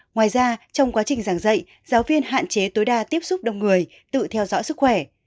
ngoài ra trong quá trình giảng dạy giáo viên hạn chế tối đa tiếp xúc đông người tự theo dõi sức khỏe